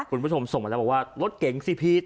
คุณผู้ชมส่งมาแล้วบอกว่ารถเก๋งซีพีช